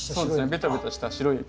ベタベタした白い液。